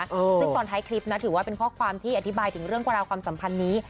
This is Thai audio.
ซึ่งตอนท้ายคลิปนะถือว่าเป็นข้อความที่อธิบายถึงเรื่องราวความสัมพันธ์นี้